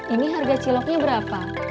ini harga ciloknya berapa